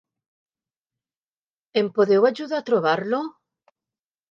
Em podeu ajudar a trobar-lo?